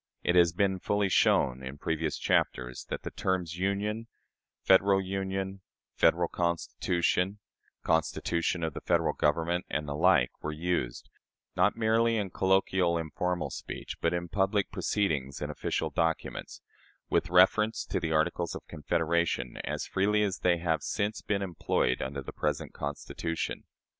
It has been fully shown, in previous chapters, that the terms "Union," "Federal Union," "Federal Constitution," "Constitution of the Federal Government," and the like, were used not merely in colloquial, informal speech, but in public proceedings and official documents with reference to the Articles of Confederation, as freely as they have since been employed under the present Constitution.